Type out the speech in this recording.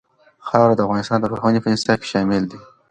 خاوره د افغانستان د پوهنې په نصاب کې شامل دي.